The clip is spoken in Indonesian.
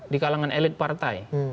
di kalangan elit partai